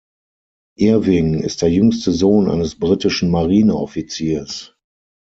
Irving ist der jüngste Sohn eines britischen Marineoffiziers.